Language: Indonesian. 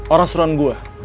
orang suruhan gue